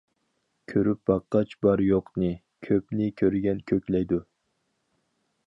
كۆرۈپ باققاچ بار-يوقنى، كۆپنى كۆرگەن كۆكلەيدۇ.